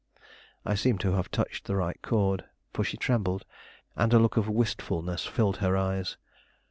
I seemed to have touched the right chord; for she trembled, and a look of wistfulness filled her eyes.